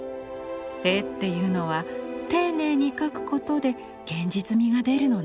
絵っていうのは丁寧に描くことで現実味が出るのね」。